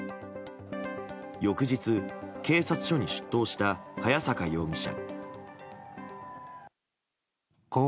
翌日、警察署に出頭した早坂容疑者。